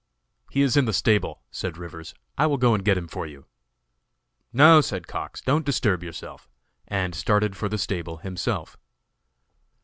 "He is in the stable," said Rivers; "I will go and get him for you." "No," said Cox, "don't disturb yourself," and started for the stable himself.